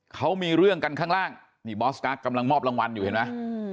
เขามีเรื่องกันข้างล่างนี่บอสกั๊กกำลังมอบรางวัลอยู่เห็นไหม